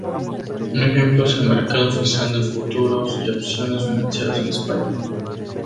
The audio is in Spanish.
Un ejemplo es el Mercado Oficial de Futuros y Opciones Financieros en España.